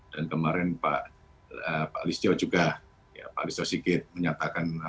dan kemarin pak lisjow juga pak lisjow sikit menyatakan supaya